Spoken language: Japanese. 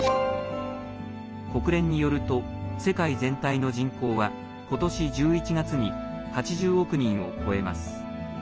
国連によると世界全体の人口はことし１１月に８０億人を超えます。